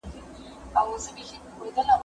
زه خواړه نه ورکوم